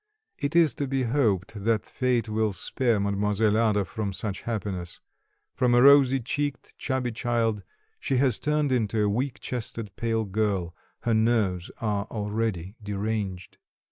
It is to be hoped that fate will spare Mademoiselle Ada from such happiness; from a rosy cheeked, chubby child she has turned into a weak chested, pale girl; her nerves are already deranged.